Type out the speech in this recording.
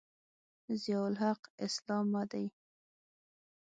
ضیأالحق اسلامه دی.